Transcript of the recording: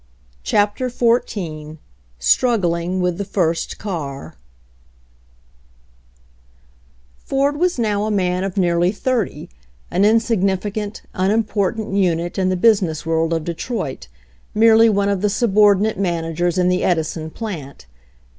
CHAPTER XIV STRUGGLING WITH THE FIRST CAR Ford was now a man of nearly 30, an insig nificant, unimportant unit in the business world of Detroit, merely one of the subordinate man agers in the Edison plant.